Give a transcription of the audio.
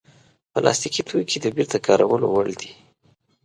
پلاستيکي توکي د بېرته کارولو وړ دي.